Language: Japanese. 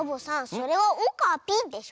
それは「オカピ」でしょ。